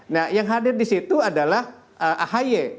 nah yang hadir di situ adalah ahy